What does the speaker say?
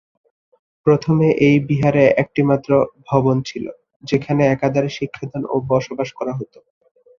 প্রথমে এই বিহারে একটি মাত্র ভবন ছিল, যেখানে একাধারে শিক্ষাদান ও বসবাস করা হত।